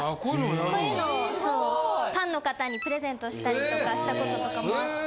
・すごい・ファンの方にプレゼントしたりとかしたこととかもあって。